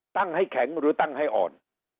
ให้แข็งหรือตั้งให้อ่อน